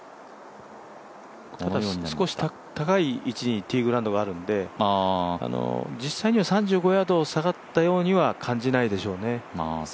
少し高い位置にティーインググラウンドがあるので実際には３５ヤード下がったようには感じないでしょうね。